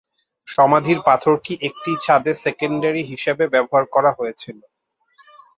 সমাধির পাথরটি একটি ছাদে সেকেন্ডারি হিসাবে ব্যবহার করা হয়েছিল।